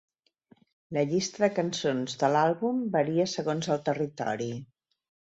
La llista de cançons de l'àlbum varia segons el territori.